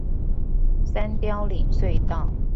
三貂嶺隧道